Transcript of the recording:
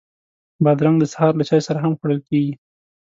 بادرنګ د سهار له چای سره هم خوړل کېږي.